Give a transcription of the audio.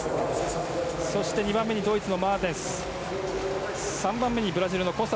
そして２番目にドイツのマルテンス。